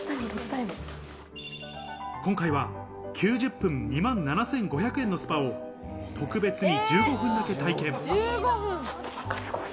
今回は９０分２万７５００円のスパを特別に１５分だけ体験。